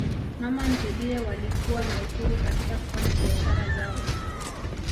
Mama ntilie walikuwa na uhuru katika kufanya biashara zao